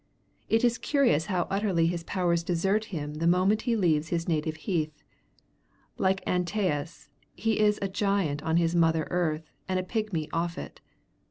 It is curious how utterly his powers desert him the moment he leaves his native heath: like Antæus, he is a giant on his mother earth and a pigmy off it.